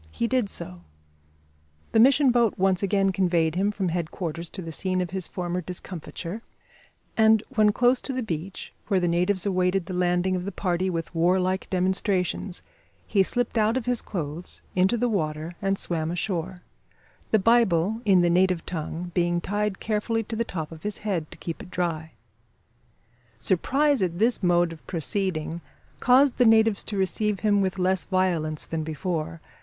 He did so. The mission boat once again conveyed him from headquarters to the scene of his former discomfiture, and, when close to the beach, where the natives awaited the landing of the party with warlike demonstrations, he slipped out of his clothes into the water and swam ashore the Bible, in the native tongue, being tied carefully on the top of his head to keep it dry. Surprise at this mode of proceeding caused the natives to receive him with less violence than before.